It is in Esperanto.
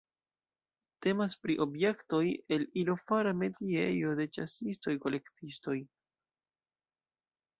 Temas pri objektoj el ilo-fara metiejo de ĉasistoj-kolektistoj.